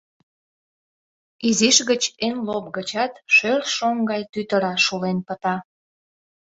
Изиш гыч эн лоп гычат шӧр шоҥ гай тӱтыра шулен пыта.